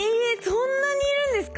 そんなにいるんですか？